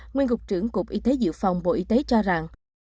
nguyên cục trưởng cục y tế dự phòng bộ y tế cho rằng